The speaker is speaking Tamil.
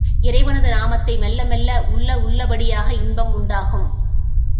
இறைவனது நாமத்தை மெல்ல மெல்ல உள்ள உள்ளப் படிப்படியாக இன்பம் உண்டாகும்.